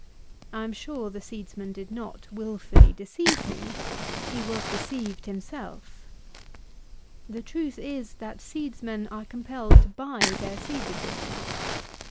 I am sure the seedsman did not wilfully deceive me. He was deceived himself. The truth is, that seedsmen are compelled to buy their seeds of this plant.